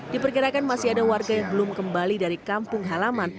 diperkirakan masih ada warga yang belum kembali dari kampung halaman